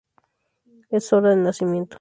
Es sorda de nacimiento.